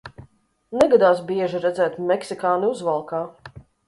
Negadās bieži redzēt meksikāni uzvalkā.